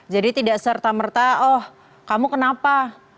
jadi tidak serta merta oh kamu kenapa